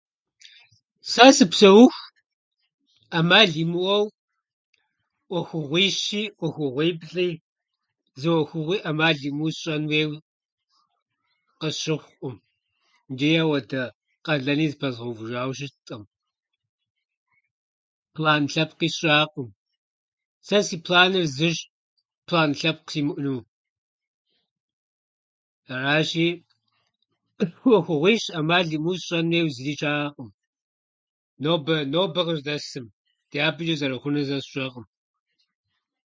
Сэ сыпсэуху ӏэмал имыӏэу ӏуэхугъуищи, ӏуэхугъуиплӏи, зы ӏуэхугъуи ӏэмал имыӏэу сщӏэн хуейуэ къысщыхъукъым ичӏи ауэдэ къалэни зыпэзгъэувыжауэ щыткъым, план лъэпкъи сщӏакъым. Сэ си планыр зыщ - план лъэпкъ симыӏэну. Аращи, ӏуэхугъуищ ӏэмал имыӏэу сщӏэну зыри щакъым, нобэ- нобэ къыздэсым, дяпэчӏэ зэрыхъунур сэ сщӏэкъым.